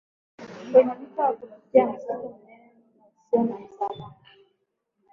kwenye mto na kupitia msitu mnene na usio na msamaha